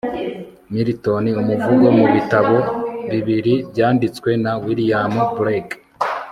milton umuvugo mu bitabo bibiri byanditswe na william blake